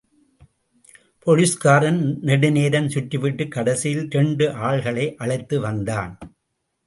போலீஸ்காரன் நெடுநேரம் சுற்றிவிட்டுக் கடைசியில் இரண்டு ஆள்களை அழைத்து வந்தான்.